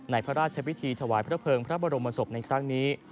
พระราชพิธีถวายพระเภิงพระบรมศพในครั้งนี้